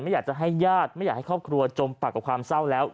อยากจะให้ญาติไม่อยากให้ครอบครัวจมปากกับความเศร้าแล้ว